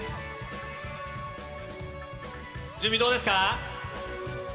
準備どうですか？